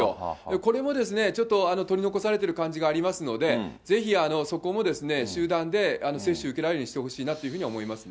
これもですね、ちょっと取り残されている感じがありますので、ぜひそこも集団で接種受けられるようにしてほしいなというふうには思いますね。